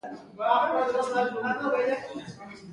د بهي مربا ډیره مقوي ده.